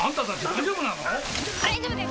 大丈夫です